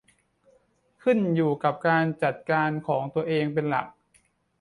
ขึ้นอยู่กับการจัดการของตัวเองเป็นหลัก